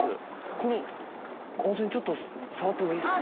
この温泉ちょっと触ってもいいっすか？